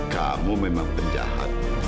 kamu memang penjahat